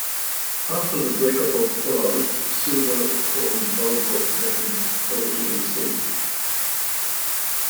After the breakup of Fallout, Silver formed hard rock band Original Sin.